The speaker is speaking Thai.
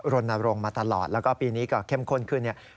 รณรงค์มาตลอดแล้วก็ปีนี้ก็เข้มข้นขึ้นเนี่ย